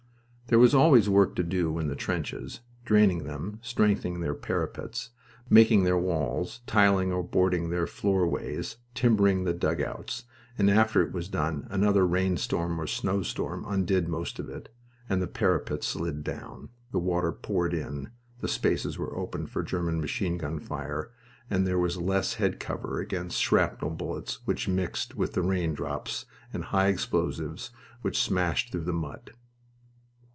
There was always work to do in the trenches draining them, strengthening their parapets, making their walls, tiling or boarding their floorways, timbering the dugouts, and after it was done another rainstorm or snowstorm undid most of it, and the parapets slid down, the water poured in, and spaces were opened for German machine gun fire, and there was less head cover against shrapnel bullets which mixed with the raindrops, and high explosives which smashed through the mud.